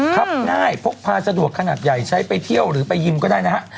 ครับง่ายพกพาสะดวกขนาดใหญ่ใช้ไปเที่ยวหรือไปยิมก็ได้นะฮะ